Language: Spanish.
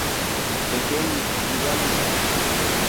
Nació en Mixquiahuala Hidalgo.